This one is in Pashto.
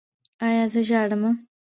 ایا زه ژاړم؟